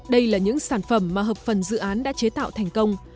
đây là những sản phẩm mà hợp phần dự án đã chế tạo thành công